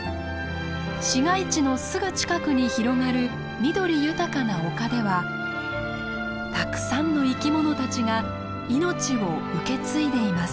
市街地のすぐ近くに広がる緑豊かな丘ではたくさんの生き物たちが命を受け継いでいます。